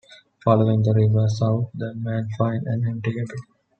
Following the river south, the men find an empty cabin.